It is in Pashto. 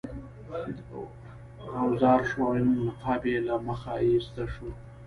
غوځار شو او نقاب یې له مخه ایسته شو.